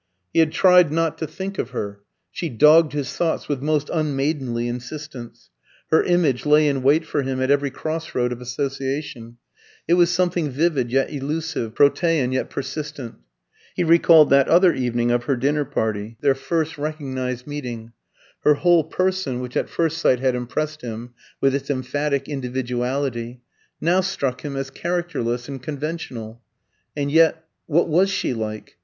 He had tried not to think of her. She dogged his thoughts with most unmaidenly insistence; her image lay in wait for him at every cross road of association; it was something vivid yet elusive, protean yet persistent. He recalled that other evening of her dinner party their first recognised meeting. Her whole person, which at first sight had impressed him with its emphatic individuality, now struck him as characterless and conventional. And yet what was she like?